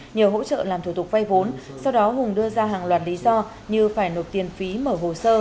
nhờ hỗ trợ làm thủ tục vay vốn sau đó hùng đưa ra hàng loạt lý do như phải nộp tiền phí mở hồ sơ